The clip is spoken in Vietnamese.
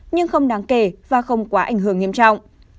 nhưng không đáng kể và không quá ảnh hưởng nghiêm trọng